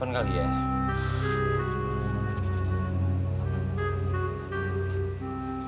tapi nggak dapat juga